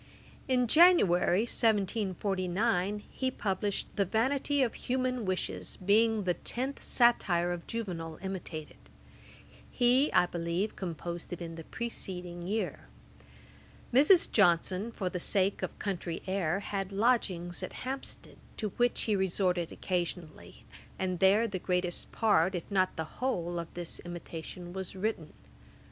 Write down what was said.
In January, 1749, he published The Vanity of Human Wishes, being the Tenth Satire of Juvenal imitated. He, I believe, composed it the preceding year. Mrs. Johnson, for the sake of country air, had lodgings at Hampstead, to which he resorted occasionally, and there the greatest part, if not the whole, of this Imitation was written.